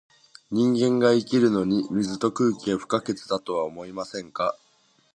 人間が生きるのに、水と空気は不可欠だとは思いませんか？